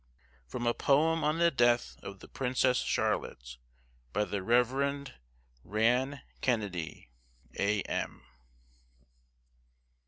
From a poem on the death of the Princess Charlotte, by the Reverend Rann Kennedy, A.M.